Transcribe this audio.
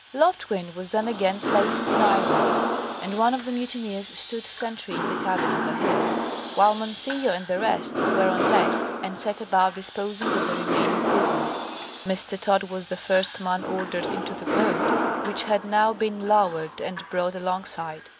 Loftgreen was then again placed in irons, and one of the mutineers stood sentry in the cabin over him, while Mancillo and the rest went on deck and set about disposing of the remaining prisoners, Mr. Todd was the first man ordered into the boat, which had now been lowered and brought alongside.